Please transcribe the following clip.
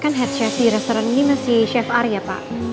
kan head chef di restoran ini masih chef ar ya pak